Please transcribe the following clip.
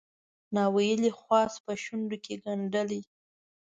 ناویلی خواست په شونډوکې ګنډلی